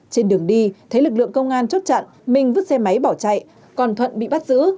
trên đường đi thấy lực lượng công an chốt chặn minh vứt xe máy bỏ chạy còn thuận bị bắt giữ